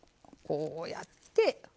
こうやって。